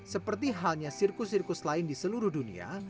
seperti halnya sirkus sirkus lain di seluruh dunia